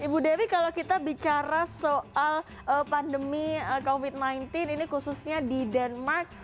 ibu dewi kalau kita bicara soal pandemi covid sembilan belas ini khususnya di denmark